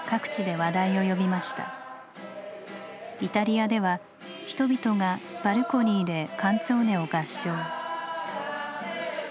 イタリアでは人々がバルコニーでカンツォーネを合唱。